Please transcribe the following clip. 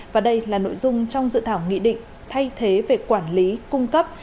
và đây là nội dung trong dự thảo nghị định thay thế về quản lý cung cấp